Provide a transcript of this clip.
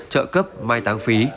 trợ cấp mai táng phí